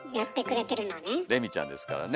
れみちゃんですからね。